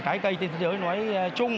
trái cây trên thế giới nói chung